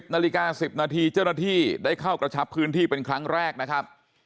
นาฬิกา๑๐นาทีเจ้าหน้าที่ได้เข้ากระชับพื้นที่เป็นครั้งแรกนะครับ